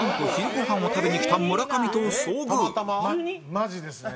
マジですね。